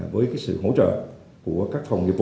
với sự hỗ trợ của các phòng nghiệp vụ